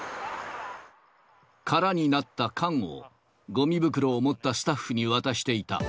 空になった缶を、ごみ袋を持ったスタッフに渡していた。